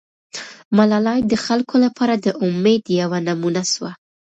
ملالۍ د خلکو لپاره د امید یوه نمونه سوه.